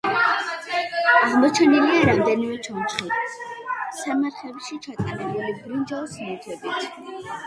აღმოჩენილია რამდენიმე ჩონჩხი, სამარხებში ჩატანებული ბრინჯაოს ნივთებით.